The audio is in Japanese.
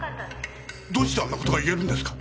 どうしてあんな事が言えるんですか？